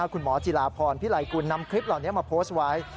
คุณหมอจิลาพรพิไลกุลนำคลิปเหล่านี้มาโพสต์ไว้